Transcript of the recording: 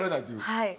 はい。